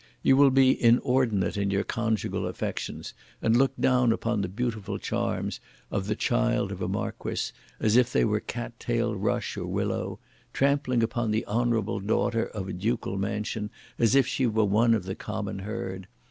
You will be inordinate in your conjugal affections, and look down upon the beautiful charms of the child of a marquis, as if they were cat tail rush or willow; trampling upon the honourable daughter of a ducal mansion, as if she were one of the common herd.